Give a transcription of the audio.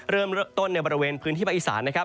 เริ่มต้นในบริเวณพื้นที่ภาคอีสานนะครับ